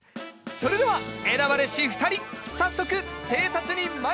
それでは選ばれし２人早速偵察に参りましょう！